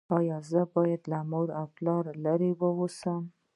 ایا زه باید له مور او پلار لرې اوسم؟